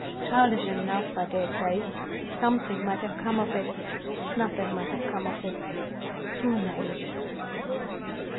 Childish enough, I dare say. Something might have come of it; nothing might have come of it—who knows?